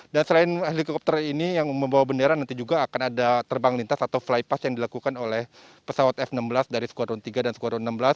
dan selain helikopter ini yang membawa bendera nanti juga akan ada terbang lintas atau flypass yang dilakukan oleh pesawat f enam belas dari squadron tiga dan squadron enam belas